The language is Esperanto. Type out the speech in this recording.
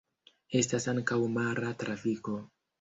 Estas ankaŭ mara trafiko.